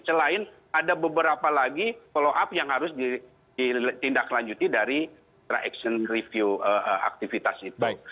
selain ada beberapa lagi follow up yang harus ditindaklanjuti dari traction review aktivitas itu